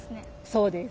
そうです。